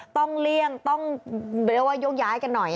ต้องเลี่ยงต้องยกย้ายกันหน่อย